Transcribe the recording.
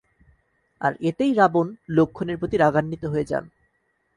আর এতেই রাবণ লক্ষ্মণের প্রতি রাগান্বিত হয়ে যান।